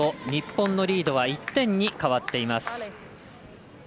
日本のリードは１点に変わっています。